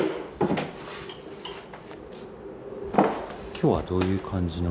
今日はどういう感じの？